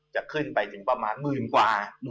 จะขึ้นไปถึงประมาณหมื่นกว่า